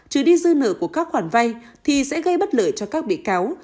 trừ đi dư nợ của các khoản vay thì sẽ gây bất lợi cho các bị cáo